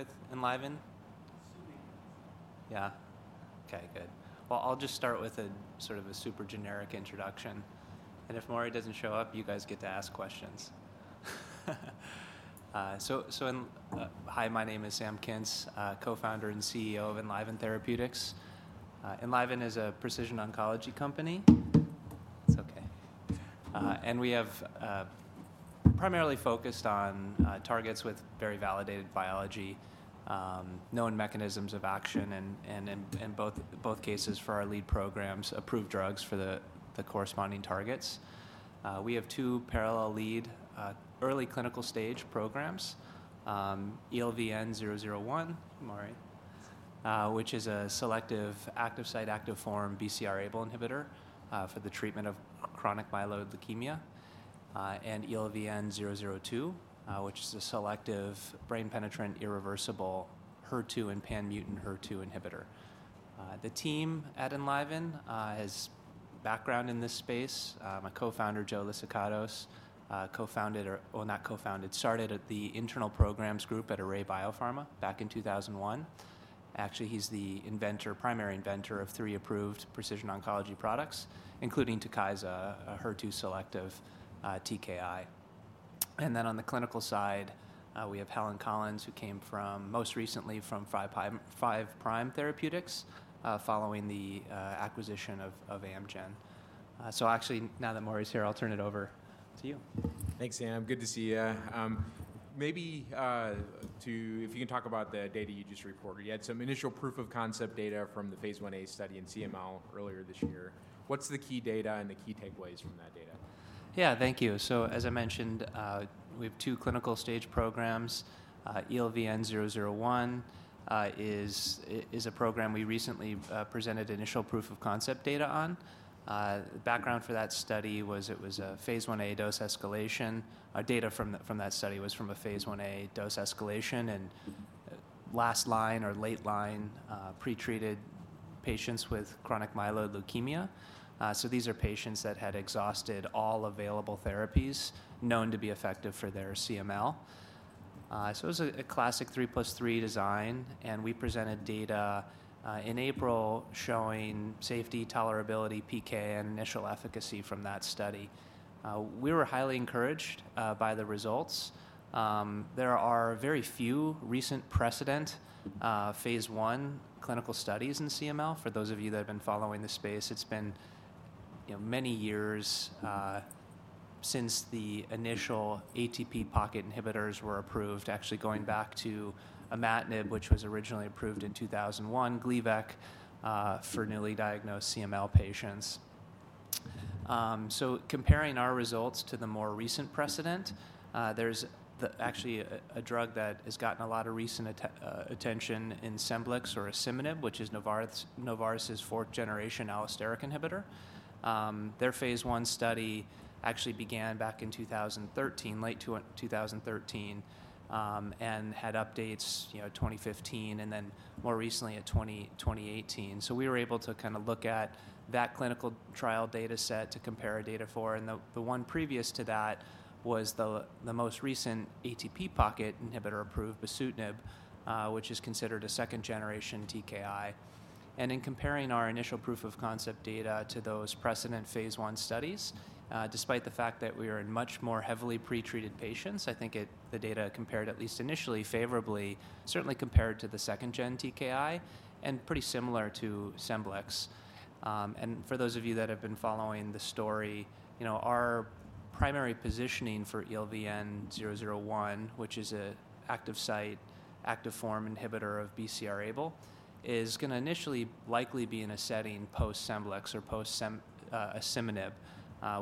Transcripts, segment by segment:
...with Enliven? Soon. Yeah. Okay, good. Well, I'll just start with a sort of a super generic introduction, and if Maury doesn't show up, you guys get to ask questions. So, hi, my name is Sam Kintz, Co-founder and CEO of Enliven Therapeutics. Enliven is a precision oncology company. It's okay. And we have primarily focused on targets with very validated biology, known mechanisms of action and in both cases for our lead programs, approved drugs for the corresponding targets. We have two parallel lead early clinical stage programs. ELVN-001, Maury, which is a selective active site active form BCR-ABL inhibitor for the treatment of chronic myeloid leukemia. And ELVN-002, which is a selective brain-penetrant irreversible HER2 and pan-mutant HER2 inhibitor. The team at Enliven has background in this space. My co-founder, Joe Lyssikatos, co-founded, well, not co-founded, started at the internal programs group at Array BioPharma back in 2001. Actually, he's the inventor, primary inventor of three approved precision oncology products, including TUKYSA, a HER2 selective TKI. And then on the clinical side, we have Helen Collins, who came from, most recently from Five Prime Therapeutics, following the acquisition by Amgen. So actually, now that Maury's here, I'll turn it over to you. Thanks, Sam. Good to see you. Maybe if you can talk about the data you just reported. You had some initial proof-of-concept data Phase Ia study in CML earlier this year. What's the key data and the key takeaways from that data? Yeah, thank you. So as I mentioned, we have two clinical stage programs. ELVN-001 is a program we recently presented initial proof-of-concept data on. The background for that study was it Phase Ia dose escalation. Our data from that study was Phase Ia dose escalation and last line or late line pretreated patients with chronic myeloid leukemia. So these are patients that had exhausted all available therapies known to be effective for their CML. So it was a classic 3+3 design, and we presented data in April showing safety, tolerability, PK, and initial efficacy from that study. We were highly encouraged by the results. There are very few recent precedents Phase I clinical studies in CML. For those of you that have been following the space, it's been, you know, many years since the initial ATP pocket inhibitors were approved, actually going back to imatinib, which was originally approved in 2001, Gleevec for newly diagnosed CML patients. So comparing our results to the more recent precedent, there's actually a drug that has gotten a lot of recent attention in SCEMBLIX or asciminib, which is Novartis's fourth generation allosteric inhibitor. Their Phase I study actually began back in 2013, late 2013, and had updates, you know, 2015 and then more recently at 2018. So we were able to kinda look at that clinical trial data set to compare our data, and the one previous to that was the most recent ATP pocket inhibitor approved, bosutinib, which is considered a second-generation TKI. And in comparing our initial proof-of-concept data to those precedent Phase I studies, despite the fact that we are in much more heavily pretreated patients, I think the data compared, at least initially, favorably, certainly compared to the second-gen TKI and pretty similar to SCEMBLIX. And for those of you that have been following the story, you know, our primary positioning for ELVN-001, which is an active site, active-form inhibitor of BCR-ABL, is gonna initially likely be in a setting post-SCEMBLIX or post-asciminib.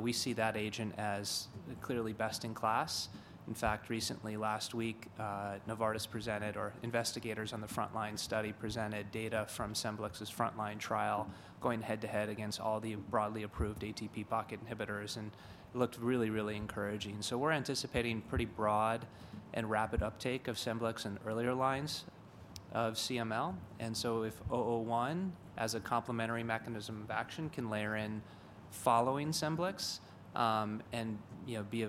We see that agent as clearly best-in-class. In fact, recently, last week, Novartis presented, or investigators on the frontline study presented data from SCEMBLIX's frontline trial going head-to-head against all the broadly approved ATP pocket inhibitors and looked really, really encouraging. So we're anticipating pretty broad and rapid uptake of SCEMBLIX in earlier lines of CML. And so if 001, as a complementary mechanism of action, can layer in following SCEMBLIX, and, you know, be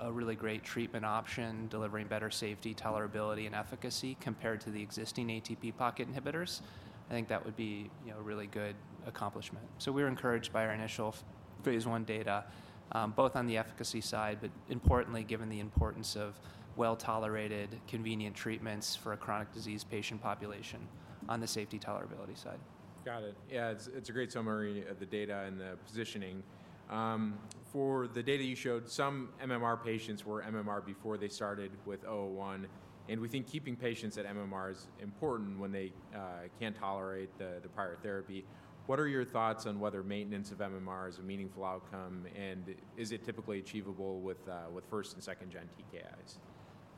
a really great treatment option, delivering better safety, tolerability, and efficacy compared to the existing ATP pocket inhibitors, I think that would be, you know, a really good accomplishment. So we're encouraged by our initial Phase I data, both on the efficacy side, but importantly, given the importance of well-tolerated, convenient treatments for a chronic disease patient population on the safety tolerability side. Got it. Yeah, it's a great summary of the data and the positioning. For the data you showed, some MMR patients were MMR before they started with 001, and we think keeping patients at MMR is important when they can't tolerate the prior therapy. What are your thoughts on whether maintenance of MMR is a meaningful outcome, and is it typically achievable with first and second gen TKIs?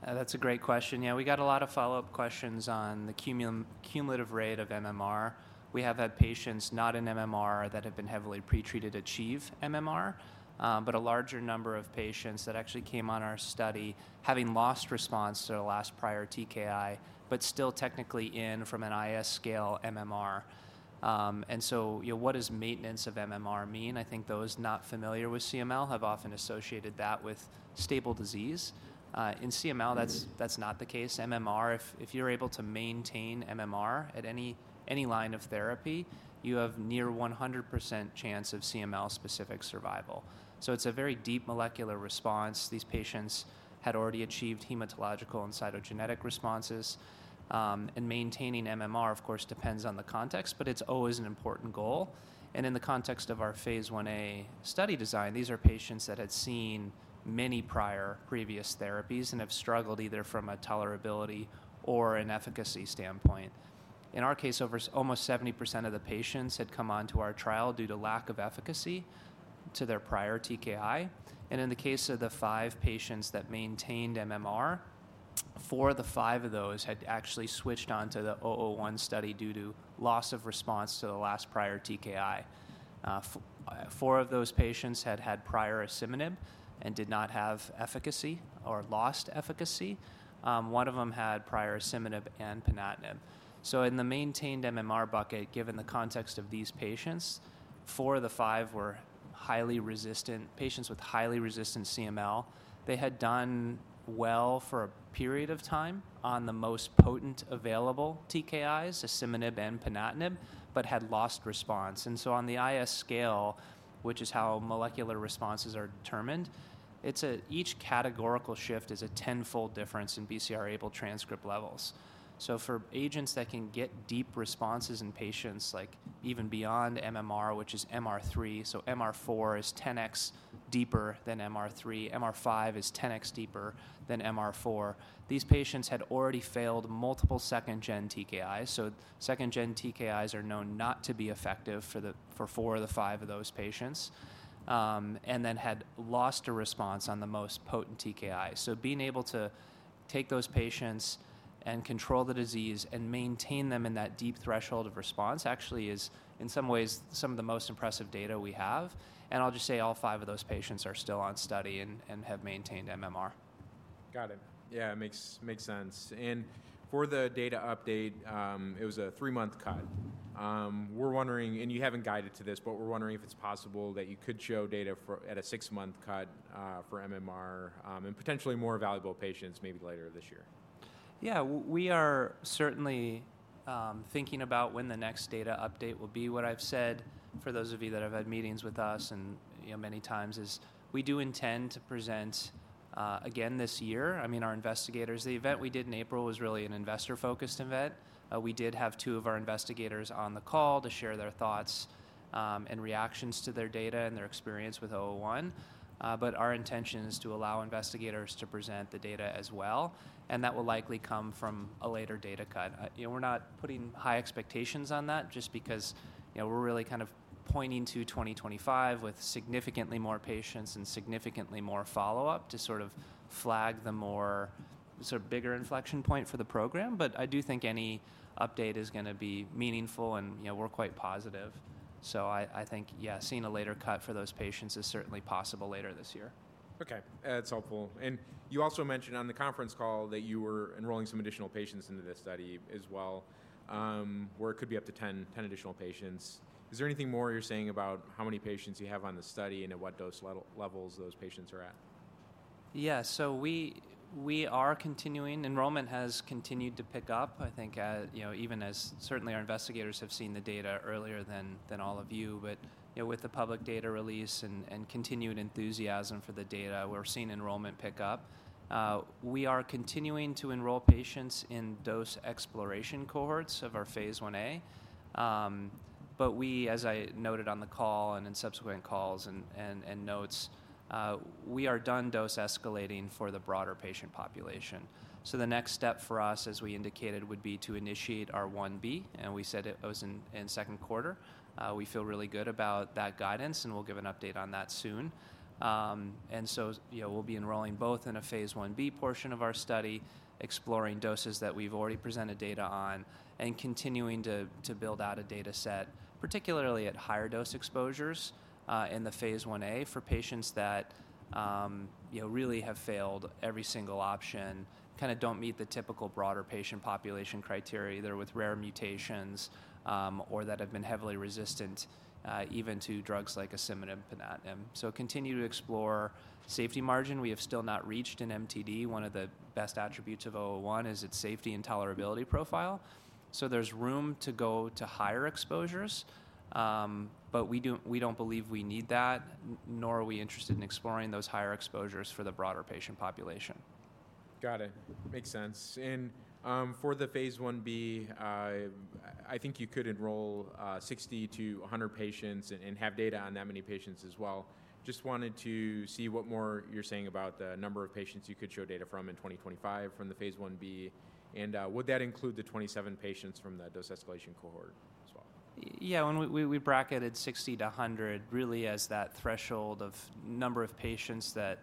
That's a great question. Yeah, we got a lot of follow-up questions on the cumulative rate of MMR. We have had patients not in MMR that have been heavily pretreated achieve MMR, but a larger number of patients that actually came on our study, having lost response to a last prior TKI, but still technically in from an IS scale MMR. And so, you know, what does maintenance of MMR mean? I think those not familiar with CML have often associated that with stable disease. In CML, that's, that's not the case. MMR, if, if you're able to maintain MMR at any, any line of therapy, you have near 100% chance of CML-specific survival. So it's a very deep molecular response. These patients had already achieved hematological and cytogenetic responses. Maintaining MMR, of course, depends on the context, but it's always an important goal. In the context Phase Ia study design, these are patients that had seen many prior previous therapies and have struggled either from a tolerability or an efficacy standpoint. In our case, over almost 70% of the patients had come onto our trial due to lack of efficacy to their prior TKI. In the case of the 5 patients that maintained MMR, 4 of the 5 of those had actually switched on to the 001 study due to loss of response to the last prior TKI. Four of those patients had had prior asciminib and did not have efficacy or lost efficacy. One of them had prior asciminib and ponatinib. So in the maintained MMR bucket, given the context of these patients, 4 of the 5 were highly resistant patients with highly resistant CML. They had done well for a period of time on the most potent available TKIs, asciminib and ponatinib, but had lost response. And so on the IS scale, which is how molecular responses are determined, it's a, each categorical shift is a 10-fold difference in BCR-ABL transcript levels. So for agents that can get deep responses in patients, like even beyond MMR, which is MR3, so MR4 is 10x deeper than MR3, MR5 is 10x deeper than MR4. These patients had already failed multiple second-gen TKIs. So second-gen TKIs are known not to be effective for the, for 4 of the 5 of those patients, and then had lost a response on the most potent TKI. So being able to take those patients and control the disease and maintain them in that deep threshold of response, actually is, in some ways, some of the most impressive data we have. And I'll just say all 5 of those patients are still on study and have maintained MMR. Got it. Yeah, it makes sense. And for the data update, it was a three-month cut. We're wondering, and you haven't guided to this, but we're wondering if it's possible that you could show data for—at a six-month cut, for MMR, and potentially more valuable patients maybe later this year? Yeah, we are certainly thinking about when the next data update will be. What I've said, for those of you that have had meetings with us and, you know, many times, is we do intend to present again this year. I mean, our investigators, the event we did in April was really an investor-focused event. We did have two of our investigators on the call to share their thoughts and reactions to their data and their experience with 001. But our intention is to allow investigators to present the data as well, and that will likely come from a later data cut. You know, we're not putting high expectations on that just because, you know, we're really kind of pointing to 2025 with significantly more patients and significantly more follow-up to sort of flag the more sort of bigger inflection point for the program. But I do think any update is gonna be meaningful, and, you know, we're quite positive. So I think, yeah, seeing a later cut for those patients is certainly possible later this year. Okay. That's helpful. And you also mentioned on the conference call that you were enrolling some additional patients into this study as well, where it could be up to 10, 10 additional patients. Is there anything more you're saying about how many patients you have on the study and at what dose level, levels those patients are at? Yeah. So we are continuing... Enrollment has continued to pick up. I think, you know, even as certainly our investigators have seen the data earlier than all of you, but, you know, with the public data release and continued enthusiasm for the data, we're seeing enrollment pick up. We are continuing to enroll patients in dose exploration cohorts of Phase Ia. but we, as I noted on the call and in subsequent calls and notes, we are done dose escalating for the broader patient population. So the next step for us, as we indicated, would be to initiate our Ib, and we said it was in second quarter. We feel really good about that guidance, and we'll give an update on that soon. And so, you know, we'll be enrolling both Phase Ib portion of our study, exploring doses that we've already presented data on, and continuing to build out a data set, particularly at higher dose exposures, Phase Ia for patients that, you know, really have failed every single option, kinda don't meet the typical broader patient population criteria, either with rare mutations, or that have been heavily resistant, even to drugs like asciminib, ponatinib. So continue to explore safety margin. We have still not reached an MTD. One of the best attributes of 001 is its safety and tolerability profile. So there's room to go to higher exposures, but we don't believe we need that, nor are we interested in exploring those higher exposures for the broader patient population. Got it. Makes sense. And, for Phase Ib, i think you could enroll 60-100 patients and have data on that many patients as well. Just wanted to see what more you're saying about the number of patients you could show data from in 2025 from Phase Ib, and would that include the 27 patients from the dose escalation cohort as well? Yeah, when we bracketed 60-100, really as that threshold of number of patients that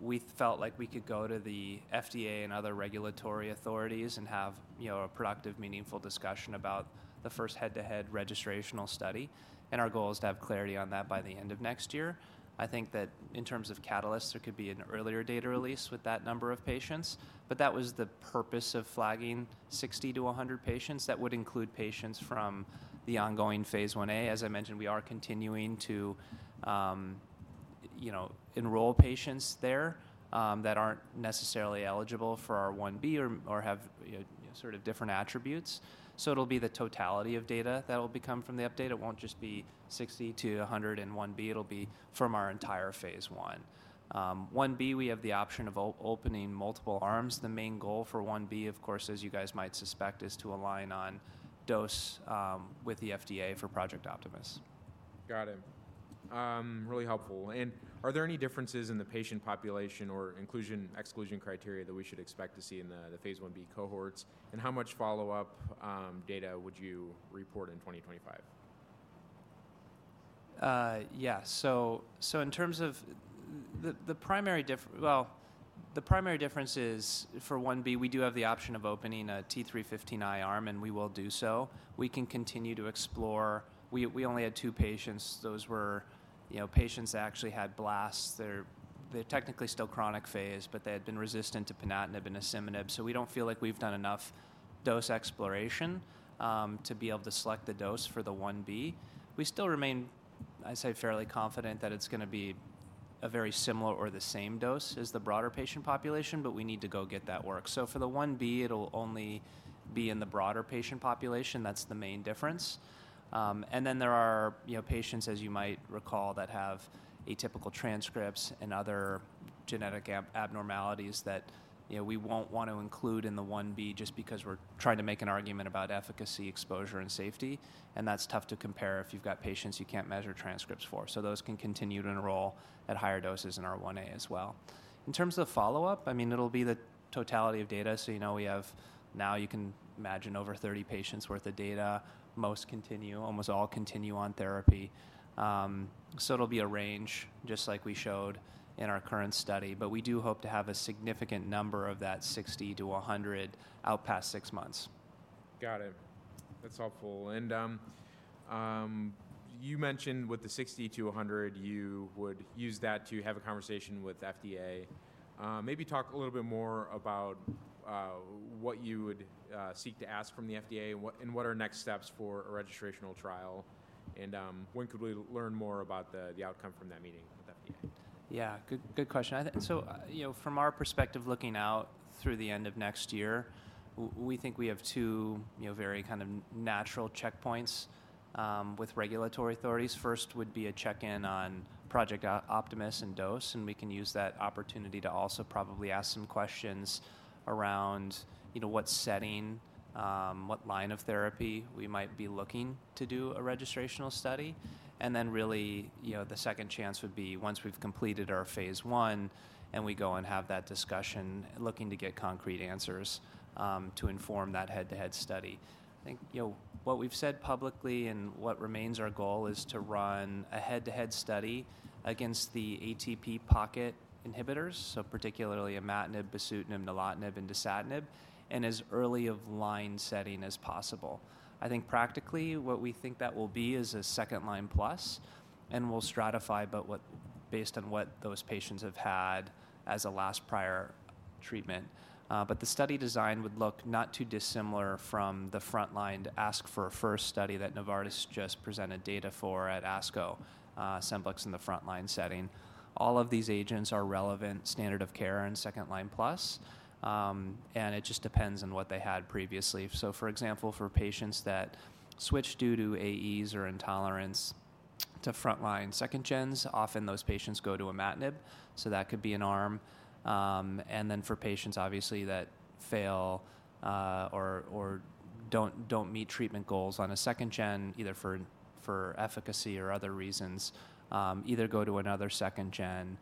we felt like we could go to the FDA and other regulatory authorities and have, you know, a productive, meaningful discussion about the first head-to-head registrational study, and our goal is to have clarity on that by the end of next year. I think that in terms of catalysts, there could be an earlier data release with that number of patients, but that was the purpose of flagging 60-100 patients. That would include patients from Phase Ia. as i mentioned, we are continuing to, you know, enroll patients there that aren't necessarily eligible for our 1b or have, you know, sort of different attributes. So it'll be the totality of data that will become from the update. It won't just be 60-100 in 1b. It'll be from our entire Phase I. 1b, we have the option of opening multiple arms. The main goal for 1b, of course, as you guys might suspect, is to align on dose with the FDA for Project Optimus.... Got it. Really helpful. And are there any differences in the patient population or inclusion, exclusion criteria that we should expect to see Phase Ib cohorts? and how much follow-up data would you report in 2025? Yeah. So in terms of the primary difference is for 1B, we do have the option of opening a T315I arm, and we will do so. We can continue to explore. We only had two patients. Those were, you know, patients that actually had blasts. They're technically still chronic phase, but they had been resistant to ponatinib and asciminib. So we don't feel like we've done enough dose exploration to be able to select the dose for the 1B. We still remain, I'd say, fairly confident that it's going to be a very similar or the same dose as the broader patient population, but we need to go get that work. So for the 1B, it'll only be in the broader patient population. That's the main difference. And then there are, you know, patients, as you might recall, that have atypical transcripts and other genetic abnormalities that, you know, we won't want to include in the 1B just because we're trying to make an argument about efficacy, exposure, and safety, and that's tough to compare if you've got patients you can't measure transcripts for. So those can continue to enroll at higher doses in our 1A as well. In terms of follow-up, I mean, it'll be the totality of data. So, you know, we have. Now you can imagine over 30 patients worth of data. Most continue, almost all continue on therapy. So it'll be a range, just like we showed in our current study, but we do hope to have a significant number of that 60 to 100 out past 6 months. Got it. That's helpful. And, you mentioned with the 60 to 100, you would use that to have a conversation with FDA. Maybe talk a little bit more about, what you would seek to ask from the FDA, and what are next steps for a registrational trial? And, when could we learn more about the outcome from that meeting with the FDA? Yeah. Good, good question. I. So, you know, from our perspective, looking out through the end of next year, we think we have two, you know, very kind of natural checkpoints with regulatory authorities. First would be a check-in on Project Optimus and dose, and we can use that opportunity to also probably ask some questions around, you know, what setting, what line of therapy we might be looking to do a registrational study. And then really, you know, the second chance would be once we've completed our Phase I, and we go and have that discussion, looking to get concrete answers to inform that head-to-head study. I think, you know, what we've said publicly and what remains our goal is to run a head-to-head study against the ATP pocket inhibitors, so particularly imatinib, bosutinib, nilotinib, and dasatinib, in as early-line setting as possible. I think practically, what we think that will be is a second-line plus, and we'll stratify but based on what those patients have had as a last prior treatment. But the study design would look not too dissimilar from the frontline ASCO first study that Novartis just presented data for at ASCO, SCEMBLIX in the front-line setting. All of these agents are relevant standard-of-care and second-line plus, and it just depends on what they had previously. So, for example, for patients that switch due to AEs or intolerance to front-line second gens, often those patients go to imatinib, so that could be an arm. Then, for patients, obviously, that fail or don't meet treatment goals on a second gen, either for efficacy or other reasons, either go to another second gen,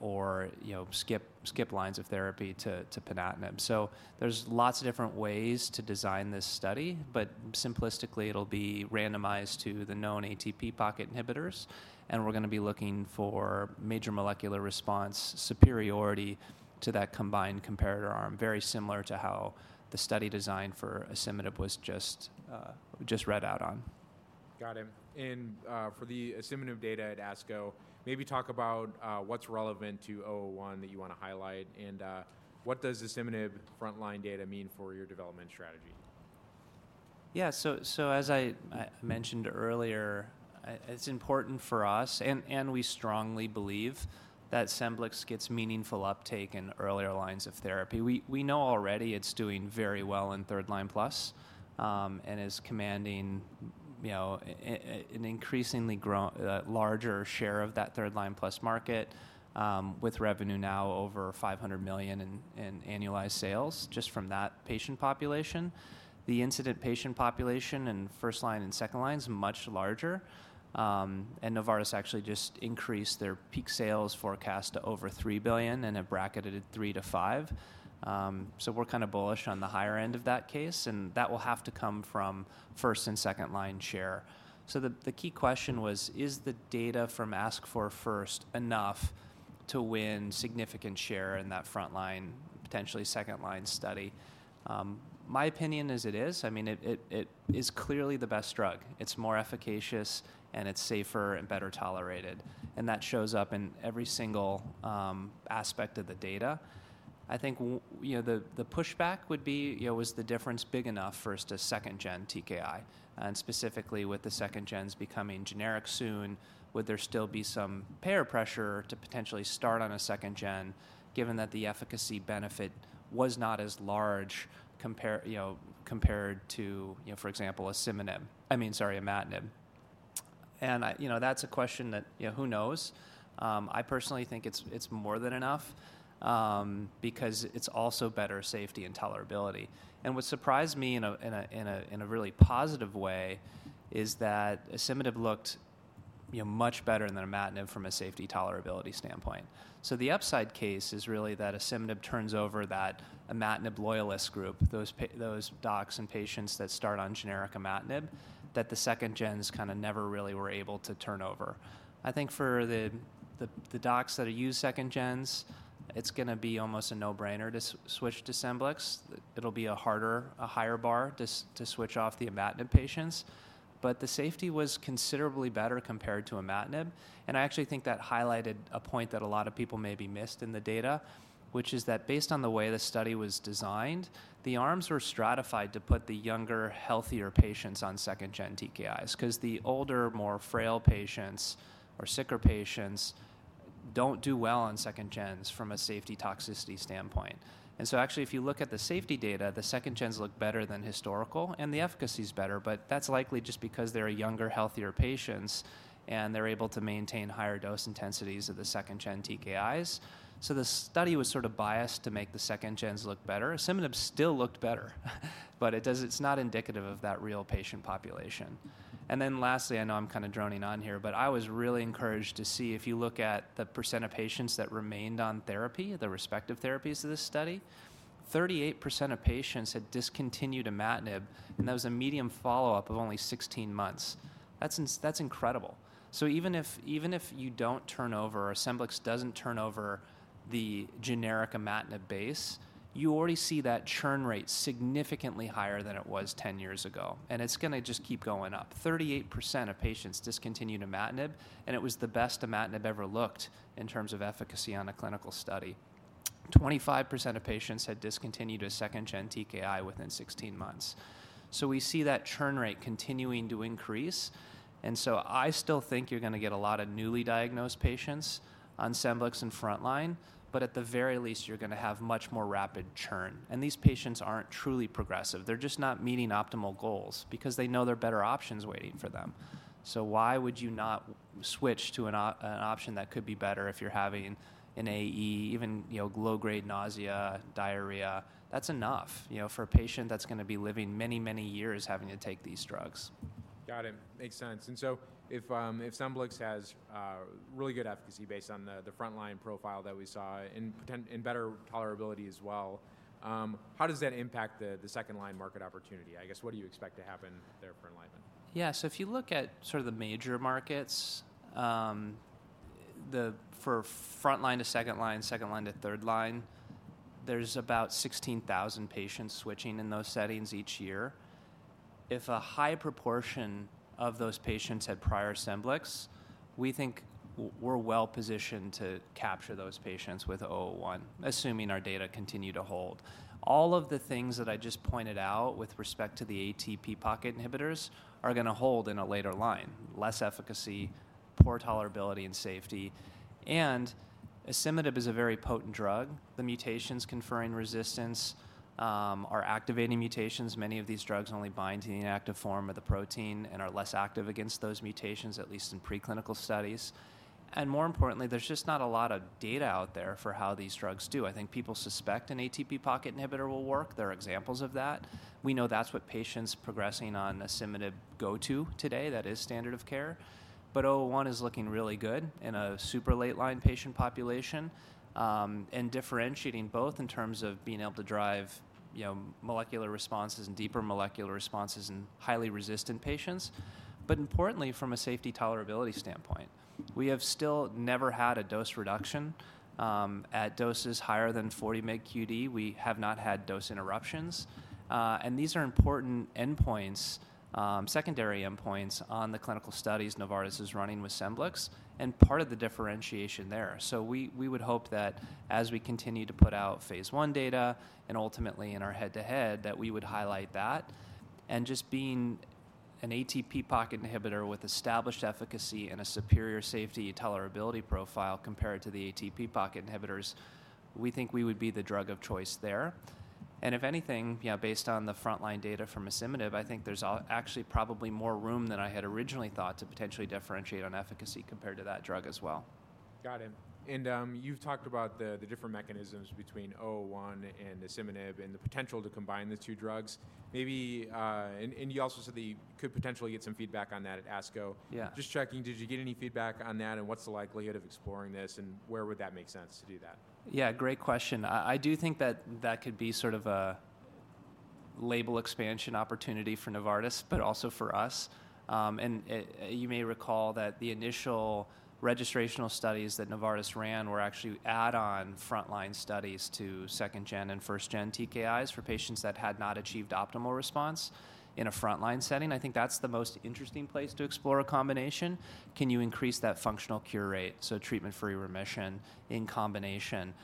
or, you know, skip lines of therapy to ponatinib. So there's lots of different ways to design this study, but simplistically, it'll be randomized to the known ATP pocket inhibitors, and we're going to be looking for major molecular response superiority to that combined comparator arm, very similar to how the study design for asciminib was just read out on. Got it. And, for the asciminib data at ASCO, maybe talk about, what's relevant to ELVN-001 that you want to highlight, and, what does asciminib front line data mean for your development strategy? Yeah. So as I mentioned earlier, it's important for us, and we strongly believe that SCEMBLIX gets meaningful uptake in earlier lines of therapy. We know already it's doing very well in third line plus, and is commanding, you know, an increasingly larger share of that third line plus market, with revenue now over $500 million in annualized sales just from that patient population. The incident patient population in first line and second line is much larger, and Novartis actually just increased their peak sales forecast to over $3 billion and have bracketed it $3-$5 billion. So we're kind of bullish on the higher end of that case, and that will have to come from first and second line share. So the key question was, Is the data from ASCO for first enough to win significant share in that front line, potentially second line study? My opinion is it is. I mean, it is clearly the best drug. It's more efficacious, and it's safer and better tolerated, and that shows up in every single aspect of the data. I think you know, the pushback would be, you know, was the difference big enough first to second gen TKI? And specifically, with the second gens becoming generic soon, would there still be some payer pressure to potentially start on a second gen, given that the efficacy benefit was not as large compared to, you know, for example, asciminib, I mean, sorry, imatinib. And you know, that's a question that, you know, who knows? I personally think it's more than enough, because it's also better safety and tolerability. And what surprised me in a really positive way is that asciminib looked, you know, much better than imatinib from a safety tolerability standpoint. So the upside case is really that asciminib turns over that imatinib loyalist group, those docs and patients that start on generic imatinib, that the second gens kind of never really were able to turn over. I think for the docs that use second gens, it's gonna be almost a no-brainer to switch to SCEMBLIX. It'll be a harder, a higher bar to switch off the imatinib patients. But the safety was considerably better compared to imatinib, and I actually think that highlighted a point that a lot of people maybe missed in the data, which is that based on the way the study was designed, the arms were stratified to put the younger, healthier patients on second gen TKIs. 'Cause the older, more frail patients or sicker patients don't do well on second gens from a safety toxicity standpoint. And so actually, if you look at the safety data, the second gens look better than historical, and the efficacy is better, but that's likely just because they're younger, healthier patients, and they're able to maintain higher dose intensities of the second gen TKIs. So the study was sort of biased to make the second gens look better. Asciminib still looked better, but it does, it's not indicative of that real patient population. And then lastly, I know I'm kind of droning on here, but I was really encouraged to see if you look at the percent of patients that remained on therapy, the respective therapies of this study, 38% of patients had discontinued imatinib, and that was a median follow-up of only 16 months. That's incredible. So even if, even if you don't turn over or SCEMBLIX doesn't turn over the generic imatinib base, you already see that churn rate significantly higher than it was 10 years ago, and it's gonna just keep going up. 38% of patients discontinued imatinib, and it was the best imatinib ever looked in terms of efficacy on a clinical study. 25% of patients had discontinued a second-gen TKI within 16 months. So we see that churn rate continuing to increase, and so I still think you're gonna get a lot of newly diagnosed patients on SCEMBLIX and frontline, but at the very least, you're gonna have much more rapid churn. And these patients aren't truly progressive. They're just not meeting optimal goals because they know there are better options waiting for them. So why would you not switch to an option that could be better if you're having an AE, even, you know, low-grade nausea, diarrhea? That's enough, you know, for a patient that's gonna be living many, many years having to take these drugs. Got it. Makes sense. So if SCEMBLIX has really good efficacy based on the frontline profile that we saw and better tolerability as well, how does that impact the second-line market opportunity? I guess, what do you expect to happen there for Enliven? Yeah. So if you look at sort of the major markets, the for frontline to second line, second line to third line, there's about 16,000 patients switching in those settings each year. If a high proportion of those patients had prior SCEMBLIX, we think we're well positioned to capture those patients with ELVN-001, assuming our data continue to hold. All of the things that I just pointed out with respect to the ATP pocket inhibitors are gonna hold in a later line: less efficacy, poor tolerability and safety. And asciminib is a very potent drug. The mutations conferring resistance are activating mutations. Many of these drugs only bind to the inactive form of the protein and are less active against those mutations, at least in preclinical studies. And more importantly, there's just not a lot of data out there for how these drugs do. I think people suspect an ATP pocket inhibitor will work. There are examples of that. We know that's what patients progressing on asciminib go to today. That is standard-of-care. But ELVN-001 is looking really good in a super late-line patient population, and differentiating both in terms of being able to drive, you know, molecular responses and deeper molecular responses in highly resistant patients. But importantly, from a safety tolerability standpoint, we have still never had a dose reduction. At doses higher than 40 mg QD, we have not had dose interruptions. And these are important endpoints, secondary endpoints on the clinical studies Novartis is running with SCEMBLIX and part of the differentiation there. So we would hope that as we continue to put out Phase I data and ultimately in our head-to-head, that we would highlight that. And just being an ATP pocket inhibitor with established efficacy and a superior safety tolerability profile compared to the ATP pocket inhibitors, we think we would be the drug of choice there. And if anything, yeah, based on the frontline data from asciminib, I think there's actually probably more room than I had originally thought to potentially differentiate on efficacy compared to that drug as well. Got it. And, you've talked about the different mechanisms between ELVN-001 and asciminib and the potential to combine the two drugs. Maybe. And you also said that you could potentially get some feedback on that at ASCO. Yeah. Just checking, did you get any feedback on that, and what's the likelihood of exploring this, and where would that make sense to do that? Yeah, great question. I do think that that could be sort of a label expansion opportunity for Novartis but also for us. And you may recall that the initial registrational studies that Novartis ran were actually add-on frontline studies to second-gen and first-gen TKIs for patients that had not achieved optimal response in a frontline setting. I think that's the most interesting place to explore a combination. Can you increase that functional cure rate, so treatment-free remission in combination?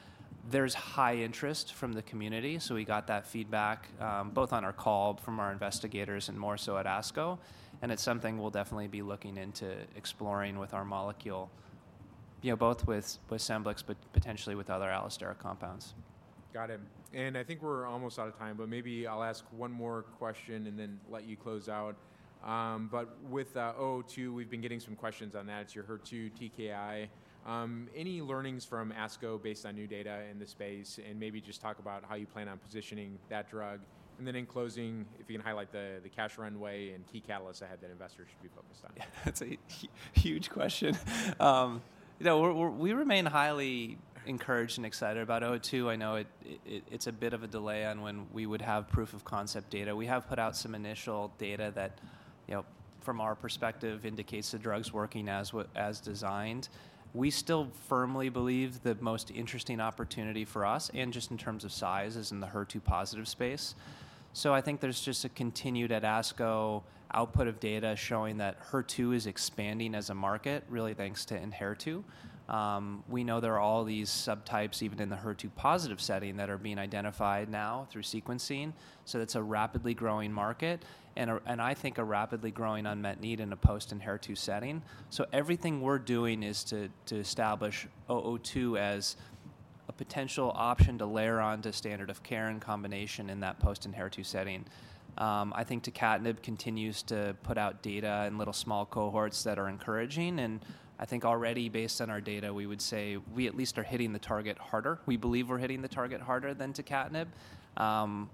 There's high interest from the community, so we got that feedback both on our call from our investigators and more so at ASCO, and it's something we'll definitely be looking into exploring with our molecule, you know, both with SCEMBLIX, but potentially with other allosteric compounds.... Got it. And I think we're almost out of time, but maybe I'll ask one more question and then let you close out. But with ELVN-002, we've been getting some questions on that. It's your HER2 TKI. Any learnings from ASCO based on new data in this space, and maybe just talk about how you plan on positioning that drug. And then in closing, if you can highlight the cash runway and key catalysts ahead that investors should be focused on. That's a huge question. You know, we remain highly encouraged and excited about ELVN-002. I know it's a bit of a delay on when we would have proof-of-concept data. We have put out some initial data that, you know, from our perspective, indicates the drug's working as designed. We still firmly believe the most interesting opportunity for us, and just in terms of size, is in the HER2 positive space. So I think there's just a continued, at ASCO, output of data showing that HER2 is expanding as a market, really thanks to ENHERTU. We know there are all these subtypes, even in the HER2 positive setting, that are being identified now through sequencing, so it's a rapidly growing market and I think a rapidly growing unmet need in a post-ENHERTU setting. So everything we're doing is to establish ELVN-002 as a potential option to layer on to standard-of-care in combination in that post-ENHERTU setting. I think tucatinib continues to put out data in little small cohorts that are encouraging, and I think already based on our data, we would say we at least are hitting the target harder. We believe we're hitting the target harder than tucatinib,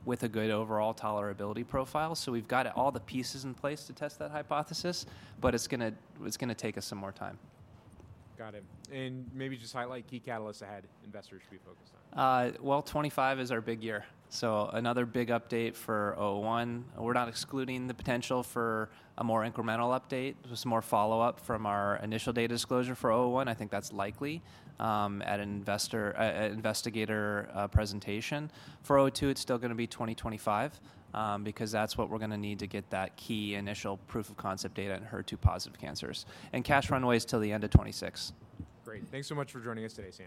with a good overall tolerability profile. So we've got all the pieces in place to test that hypothesis, but it's gonna take us some more time. Got it. Maybe just highlight key catalysts ahead investors should be focused on. Well, 2025 is our big year, so another big update for ELVN-001. We're not excluding the potential for a more incremental update, just more follow-up from our initial data disclosure for ELVN-001. I think that's likely at an investigator presentation. For ELVN-002, it's still gonna be 2025, because that's what we're gonna need to get that key initial proof-of-concept data in HER2-positive cancers. And cash runway is till the end of 2026. Great. Thanks so much for joining us today, Sam.